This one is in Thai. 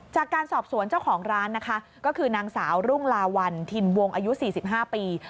จากการสอบสวนเจ้าของร้านนะคะก็คือนางสาวรุ่งลาวัลถิ่นวงอายุ๔๕ปี